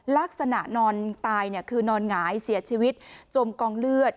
ลักษณะนอนตายคือนอนหงายเสียชีวิตจมกองเลือด